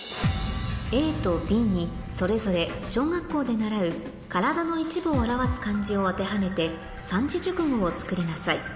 ＡとＢにそれぞれ小学校で習う体の一部を表す漢字を当てはめて三字熟語を作りなさい